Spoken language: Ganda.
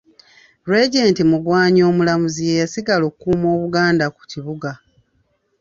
Regent Magwanya Omulamuzi ye yasigala akuuma Obuganda ku kibuga.